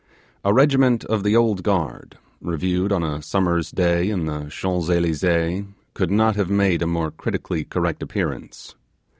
A regiment of the Old Guard, reviewed on a summer's day in the Champs Elysees, could not have made a more critically correct appearance.